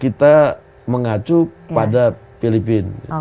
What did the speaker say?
kita mengacu pada filipin